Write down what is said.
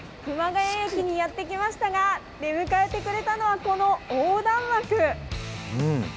谷駅にやって来ましたが、出迎えてくれたのはこの横断幕。